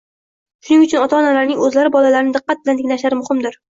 Shuning uchun ota-onalarning o‘zlari bolalarini diqqat bilan tinglashlari muhimdir.